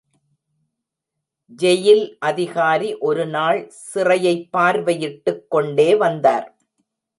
Jail அதிகாரி ஒரு நாள் சிறையைப் பார்வையிட்டுக் கொண்டே வந்தார்.